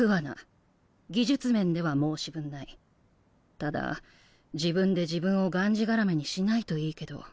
ただ自分で自分をがんじがらめにしないといいけど。